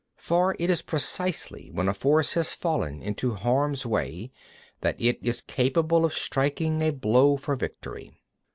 59. For it is precisely when a force has fallen into harm's way that is capable of striking a blow for victory.